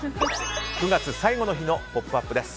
９月最後の日の「ポップＵＰ！」です。